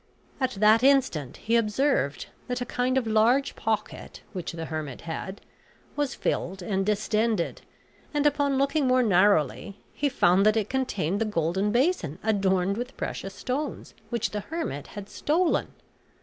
At that instant he observed that a kind of large pocket, which the hermit had, was filled and distended; and upon looking more narrowly he found that it contained the golden basin adorned with precious stones, which the hermit had stolen.